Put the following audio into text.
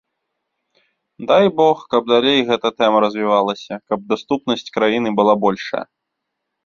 Дай бог, каб далей гэта тэма развівалася, каб даступнасць краіны была большая.